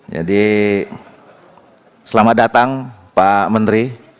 jadi selamat datang pak menteri